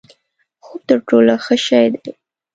خوب تر ټولو ښه شی دی؛